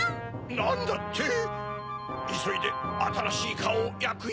なんだって⁉いそいであたらしいカオをやくよ。